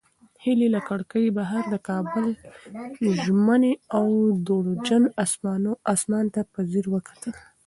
هیلې له کړکۍ بهر د کابل ژمني او دوړجن اسمان ته په ځیر وکتل.